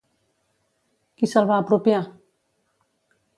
Qui se'l va apropiar?